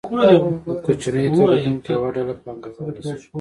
د کوچنیو تولیدونکو یوه ډله پانګواله شوه.